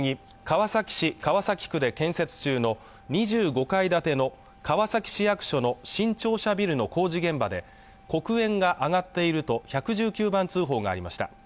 川崎市川崎区で建設中の２５階建ての川崎市役所の新庁舎ビルの工事現場で黒煙が上がっていると１１９番通報がありました